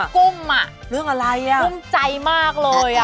กุ้มเรื่องอะไรอะกุ้มใจมากเลย